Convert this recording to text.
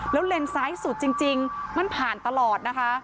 แล้วเลนซ้ายสุดจริงมันผ่านตลอดนะคะ